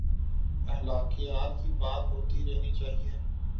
اخلاقیات کی بات ہوتی رہنی چاہیے۔